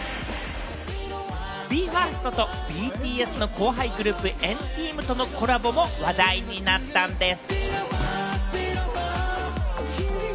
ＢＥ：ＦＩＲＳＴと、ＢＴＳの後輩グループ、＆ＴＥＡＭとのコラボも話題になったんです。